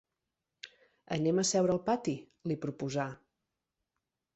Anem a seure al pati —li proposà—.